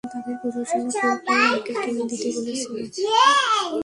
তাদের পূজার জন্য ফুল, ফল, নারকেল কিনে দিতে বলেছিলো।